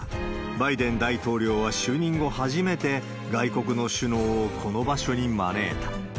バイデン大統領は就任後初めて、外国の首脳をこの場所に招いた。